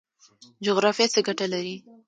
جغرافیه څه ګټه لري؟